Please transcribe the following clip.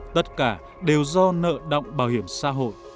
tất cả đều do nợ động bảo hiểm xã hội